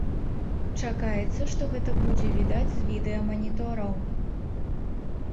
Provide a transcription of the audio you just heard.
Чакаецца, што гэта будзе відаць з відэаманітораў!